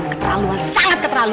semoga kamu terbaik